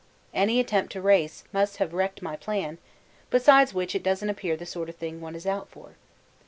Any attempt to race must have wrecked my plan, besides which it doesn't appear the sort of thing one is out for.